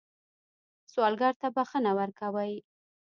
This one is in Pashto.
سوالګر ته بښنه ورکوئ